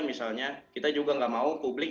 misalnya kita juga nggak mau publik